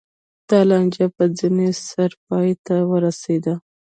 دا لانجه په ځپنې سره پای ته ورسېده